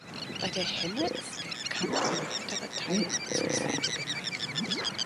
Bei der Henne ist der Kamm im hinteren Teil zur Seite geneigt.